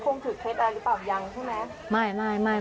คงถือเท็จอะไรหรือเปล่ายังใช่ไหม